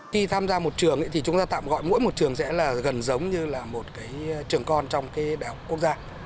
khi tham gia một trường thì chúng ta tạm gọi mỗi một trường sẽ là gần giống như là một cái trường con trong cái đại học quốc gia